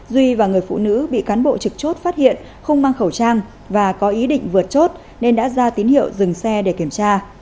duy và người phụ nữ bị cán bộ trực chốt phát hiện không mang khẩu trang và có ý định vượt chốt nên đã ra tín hiệu dừng xe để kiểm tra